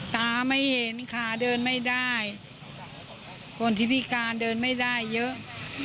ตาไม่เห็นขาเดินไม่ได้คนที่พิการเดินไม่ได้เยอะ